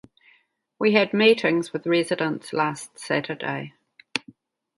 We had meetings with residents last Saturday.